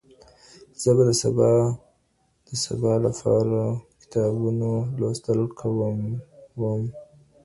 زه به سبا د سبا لپاره د کتابونو لوستل کوم وم.